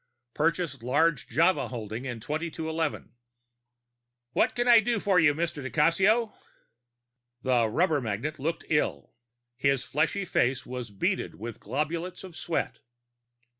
Purchased large Java holding 2211._ "What can I do for you, Mr. di Cassio?" The rubber magnate looked ill; his fleshy face was beaded with globules of sweat.